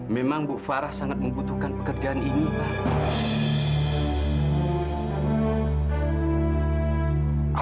memang bu farah sangat membutuhkan pekerjaan ini